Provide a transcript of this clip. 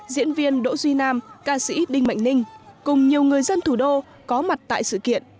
diễn viên đỗ duy nam ca sĩ đinh mạnh ninh cùng nhiều người dân thủ đô có mặt tại sự kiện